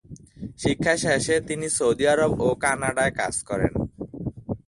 শিক্ষা শেষে তিনি সৌদি আরব ও কানাডায় কাজ করেন।